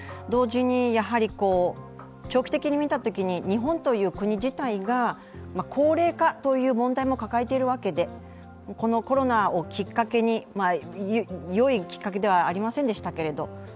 同時にやはり長期的に見たときに、日本という国自体が高齢化という問題も抱えているわけでこのコロナをきっかけに、よいきっかけではありませんでしたけど